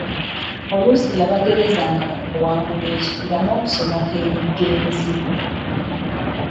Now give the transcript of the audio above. Oluusi yabagerezanga ku kuwagula kibira n'okusomoka emigga emizibu.